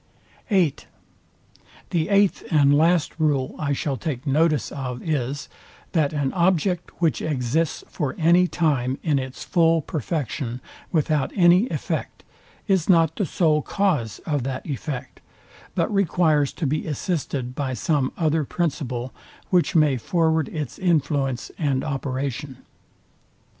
(8) The eighth and last rule I shall take notice of is, that an object, which exists for any time in its full perfection without any effect, is not the sole cause of that effect, but requires to be assisted by some other principle, which may forward its influence and operation.